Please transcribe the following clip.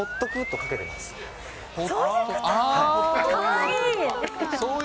かわいい。